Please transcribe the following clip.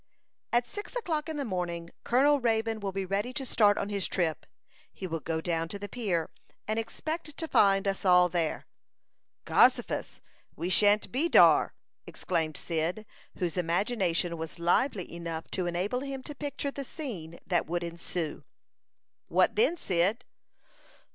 "At six o'clock in the morning, Colonel Raybone will be ready to start on his trip. He will go down to the pier, and expect to find us all there." "Gossifus! we shan't be dar!" exclaimed Cyd, whose imagination was lively enough to enable him to picture the scene that would ensue. "What then, Cyd?"